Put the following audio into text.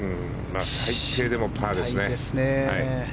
最低でもパーですね。